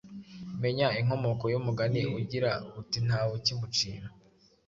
Menya inkomoko y'umugani ugira uti "Ntawe ukimucira